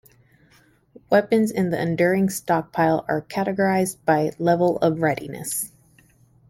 Weapons in the Enduring Stockpile are categorized by level of readiness.